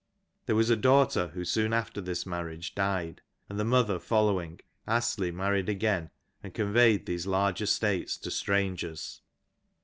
There was a daughter who soon after this marriage died, and the mother following, Astley married again and conveyed these large estates to strangers.